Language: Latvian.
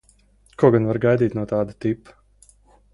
Ko gan var gaidīt no tāda tipa?